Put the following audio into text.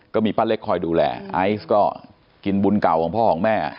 ก็มีป้าเล็กคอยดูแลไอซ์ก็กินบุญเก่าของพ่อของแม่